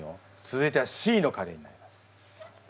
続いてはＣのカレーになります。